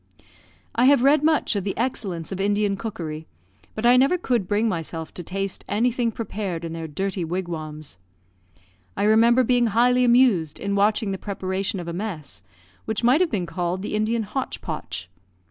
I have read much of the excellence of Indian cookery, but I never could bring myself to taste anything prepared in their dirty wigwams. I remember being highly amused in watching the preparation of a mess, which might have been called the Indian hotch potch.